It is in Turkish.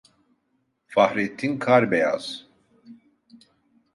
Fahrettin Karbeyaz